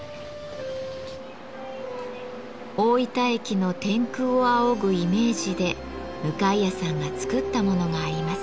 大分駅の天空を仰ぐイメージで向谷さんが作ったものがあります。